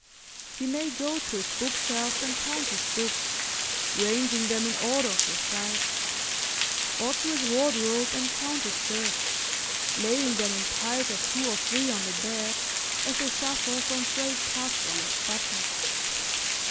He may go to his bookshelves and count his books, ranging them in order of their size; or to his wardrobe and count his shirts, laying them in piles of two or three on the bed, as they suffer from frayed cuffs or lost buttons.